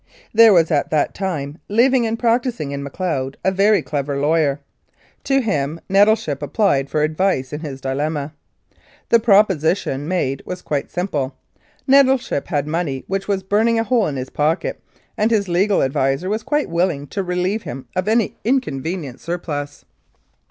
There was at that time living and practising in Macleod a very clever lawyer. To him Nettleship ap plied for advice in his dilemma. The proposition made was quite simple : Nettleship had money which was burning a hole in his pocket, and his legal adviser was quite willing to relieve him of any inconvenient surplus.